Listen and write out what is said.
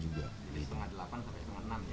jadi setengah delapan sampai setengah enam ya